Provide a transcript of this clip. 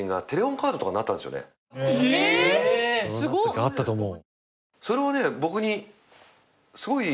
うん。あったと思う。